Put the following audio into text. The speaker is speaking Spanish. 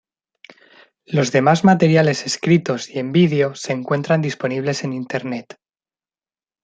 Los demás materiales escritos y en vídeo se encuentran disponibles en Internet.